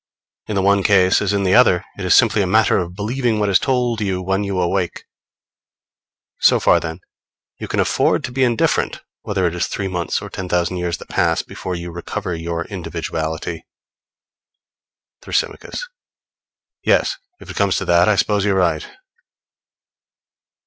In the one case as in the other, it is simply a matter of believing what is told you when you awake. So far, then, you can afford to be indifferent whether it is three months or ten thousand years that pass before you recover your individuality. Thrasymachos. Yes, if it comes to that, I suppose you're right.